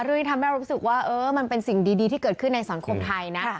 ที่ทำให้เรารู้สึกว่ามันเป็นสิ่งดีที่เกิดขึ้นในสังคมไทยนะ